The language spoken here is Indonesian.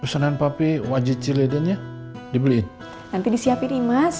pesanan papi wajit cile dan ya dibeli nanti disiapkan imas